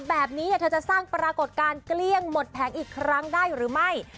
แบบนี้เธอจะสร้างปรากฏการณ์เกลี้ยงหมดแผงอีกครั้งได้หรือไม่